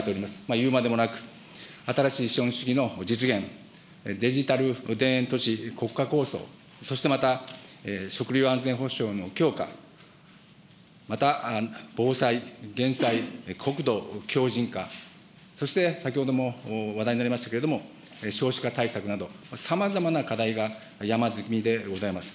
言うまでもなく、新しい資本主義の実現、デジタル田園都市国家構想、そしてまた、食料安全保障の強化、また、防災・減災、国土強じん化、そして先ほども話題になりましたけれども、少子化対策など、さまざまな課題が山積みでございます。